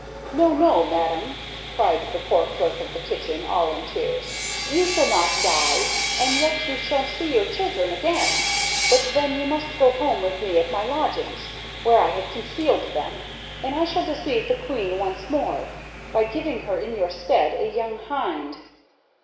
"No, no, madam" (cried the poor clerk of the kitchen, all in tears); "you shall not die, and yet you shall see your children again; but then you must go home with me to my lodgings, where I have concealed them, and I shall deceive the Queen once more, by giving her in your stead a young hind."